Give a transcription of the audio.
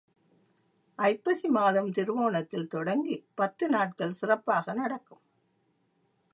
ஐப்பசி மாதம் திருவோணத்தில் தொடங்கிப் பத்து நாட்கள் சிறப்பாக நடக்கும்.